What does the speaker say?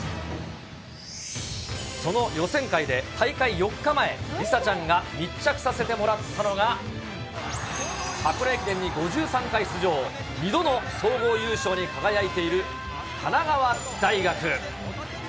その予選会で、大会４日前、梨紗ちゃんが密着させてもらったのが、箱根駅伝に５３回出場、２度の総合優勝に輝いている神奈川大学。